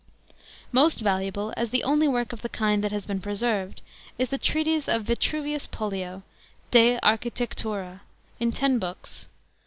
* Most valuable, as the only work of the kind that has been preserved, is the treatise of VITRUVIUS POLIJO, De Archi tectures, in ten books.